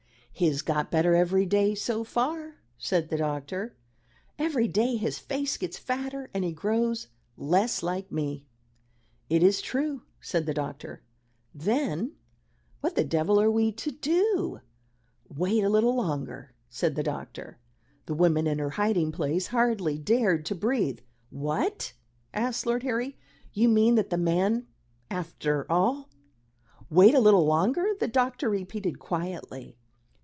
"He has got better every day, so far," said the doctor. "Every day his face gets fatter, and he grows less like me." "It is true," said the doctor. "Then what the devil are we to do?" "Wait a little longer," said the doctor. The woman in her hiding place hardly dared to breathe. "What?" asked Lord Harry. "You mean that the man, after all " "Wait a little longer," the doctor repeated quietly.